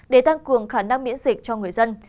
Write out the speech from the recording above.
để tăng cường khả năng miễn dịch cho người dân